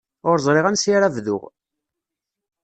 Ur ẓriɣ ansi ara bduɣ.